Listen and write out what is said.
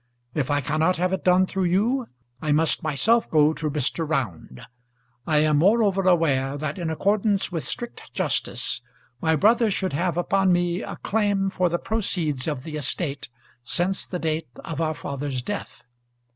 If I cannot have it done through you, I must myself go to Mr. Round. I am, moreover, aware that in accordance with strict justice my brother should have upon me a claim for the proceeds of the estate since the date of our father's death.